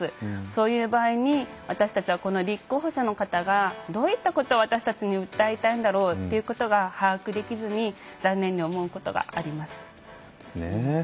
そういう場合に私たちは立候補者の方がどういったことを私たちに訴えたいんだろうということが把握できずに残念に思うことがあります。